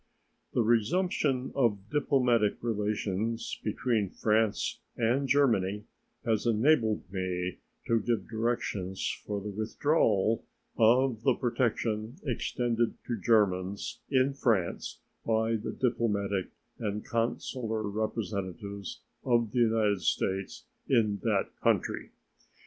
The resumption of diplomatic relations between France and Germany has enabled me to give directions for the withdrawal of the protection extended to Germans in France by the diplomatic and consular representatives of the United States in that country.